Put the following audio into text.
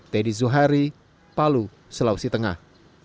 teddy zuhari palu sulawesi tengah